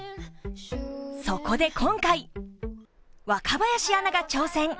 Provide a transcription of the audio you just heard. そこで今回若林アナが挑戦。